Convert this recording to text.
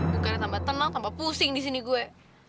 bukannya tambah tenang tambah pusing di sini gue